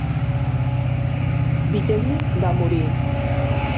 Vitel·li va morir.